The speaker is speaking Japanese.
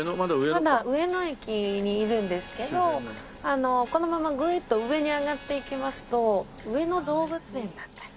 まだ上野駅にいるんですけどこのままグイッと上に上がっていきますと上野動物園だったり。